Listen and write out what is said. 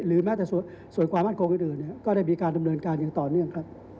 แม้แต่ส่วนความมั่นคงอื่นก็ได้มีการดำเนินการอย่างต่อเนื่องครับ